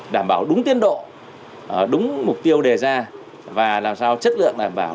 đảm bảo đúng tiến độ đúng mục tiêu đề ra và làm sao chất lượng đảm bảo